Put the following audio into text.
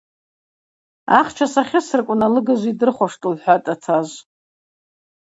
Ахча сахьысырквын алыгажв йдырхуаштӏ, – лхӏватӏ атажв.